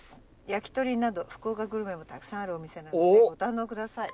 「焼き鳥など福岡グルメもたくさんあるお店なのでご堪能ください！！」